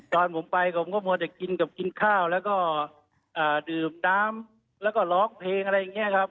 ตอนผมไปผมก็มัวแต่กินกับกินข้าวแล้วก็ดื่มน้ำแล้วก็ร้องเพลงอะไรอย่างนี้ครับ